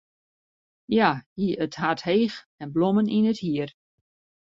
Hja hie it hart heech en blommen yn it hier.